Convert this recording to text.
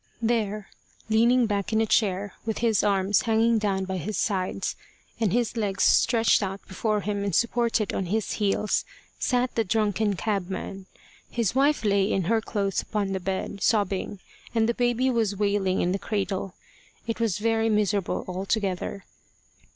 There, leaning back in a chair, with his arms hanging down by his sides, and his legs stretched out before him and supported on his heels, sat the drunken cabman. His wife lay in her clothes upon the bed, sobbing, and the baby was wailing in the cradle. It was very miserable altogether.